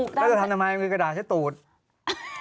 รกของทำมาลกางกายฝนและก็ตราช้าศูนย์